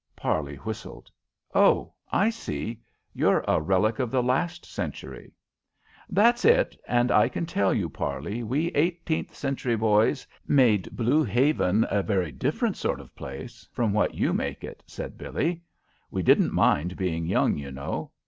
Parley whistled. "Oh, I see! You're a relic of the last century!" "That's it; and I can tell you, Parley, we eighteenth century boys made Blue Haven a very different sort of a place from what you make it," said Billie. "We didn't mind being young, you know.